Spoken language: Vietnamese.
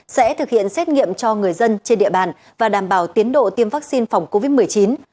sẽ thực hiện xét nghiệm cho người dân trên địa bàn và đảm bảo tiến độ tiêm vaccine phòng covid một mươi chín